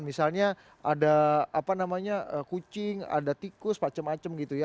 misalnya ada apa namanya kucing ada tikus macem macem gitu ya